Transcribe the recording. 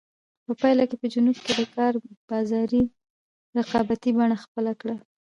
په پایله کې په جنوب کې د کار بازار رقابتي بڼه خپله کړه.